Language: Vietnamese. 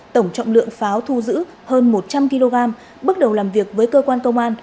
tổng trọng lượng pháo thu giữ hơn một trăm linh kg bước đầu làm việc với cơ quan công an